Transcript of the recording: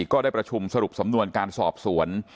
ก็ได้ประชุมสรุปสำนวนการสอบสวน